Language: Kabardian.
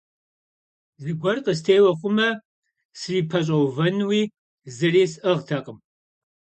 Зыгуэр къыстеуэ хъумэ, срипэщӀэувэнуи зыри сӀыгътэкъым.